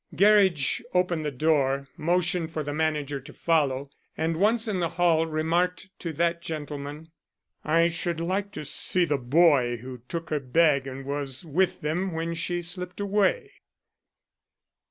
Gerridge opened the door, motioned for the manager to follow, and, once in the hall, remarked to that gentleman: "I should like to see the boy who took her bag and was with them when she slipped away."